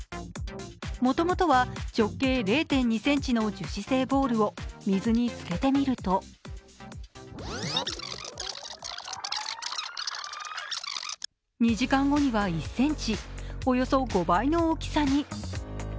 もともとは直径０．２ｃｍの樹脂製ボールを水につけてみると２時間後には１ｃｍ、およそ５倍の大きさに。